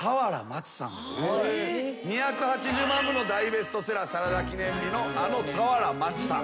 ２８０万部の大ベストセラー『サラダ記念日』のあの俵万智さん。